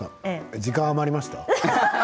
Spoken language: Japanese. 時間が余りましたか？